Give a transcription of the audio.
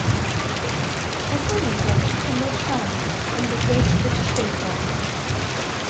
Hoffwn i fedru cymryd rhan yn The Great British Bake Off.